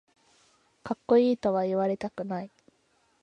かっこいいとは言われたくない